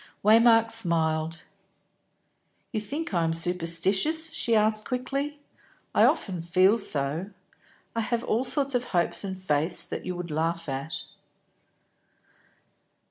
Waymark smiled. "You think I am superstitious?" she asked quickly. "I often feel so. I have all sorts of hopes and faiths that you would laugh at."